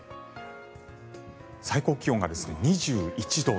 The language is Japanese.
最高気温が２１度。